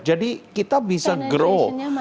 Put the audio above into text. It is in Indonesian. jadi kita bisa grow